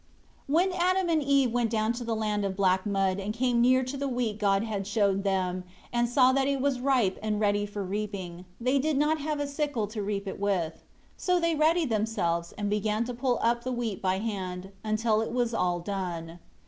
..." 1 When Adam and Eve went down to the land of black mud and came near to the wheat God had showed them and saw that it was ripe and ready for reaping, they did not have a sickle to reap it with. So they readied themselves, and began to pull up the wheat by hand, until it was all done.